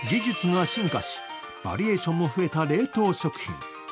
技術が進化し、バリエーションも増えた冷凍食品。